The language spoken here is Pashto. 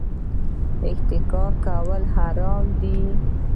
احتکار کول حرام دي